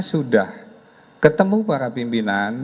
sudah ketemu para pimpinan